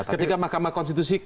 ketika mahkamah konstitusi